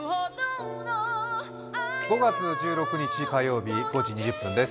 ５月１６日、５時２０分です。